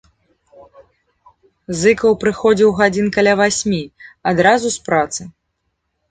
Зыкаў прыходзіў гадзін каля васьмі, адразу з працы.